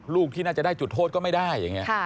รูปที่น่าจะได้จุดโทษก็ไม่ได้